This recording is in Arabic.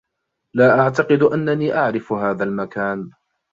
لا أعتقد أنّني أعرف هذا المكان.